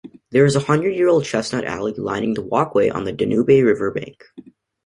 There is a hundred-year-old chestnut alley lining the walkway on the Danube River bank.